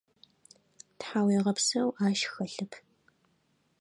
Тхьауегъэпсэу ащ хэлъэп.